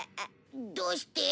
どうして？